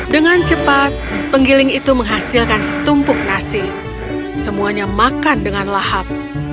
dengan cepat penggiling itu menghasilkan setumpuk nasi semuanya makan dengan lahap